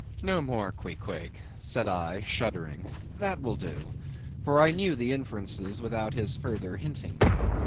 "No more, Queequeg," said I, shuddering; "that will do;" for I knew the inferences without his further hinting them.